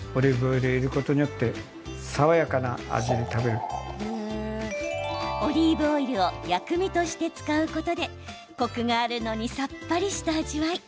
うまみをオリーブオイルを薬味として使うことでコクがあるのにさっぱりした味わい。